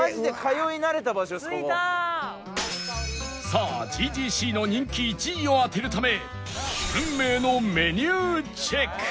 さあ ＧＧＣ の人気１位を当てるため運命のメニューチェック！